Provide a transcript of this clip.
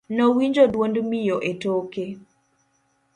nowinjo duond miyo e toke